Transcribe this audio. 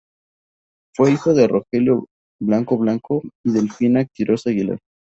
Fue hijo de Rogelio Blanco Blanco y Delfina Quirós Aguilar.